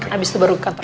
abis itu baru ke kantor